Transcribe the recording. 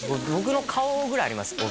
僕の顔ぐらいあります